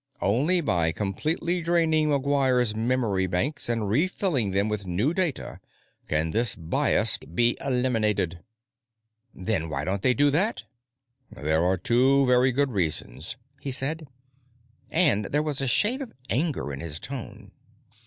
Only by completely draining McGuire's memory banks and refilling them with new data can this bias be eliminated." "Then why don't they do that?" "There are two very good reasons," he said. And there was a shade of anger in his tone.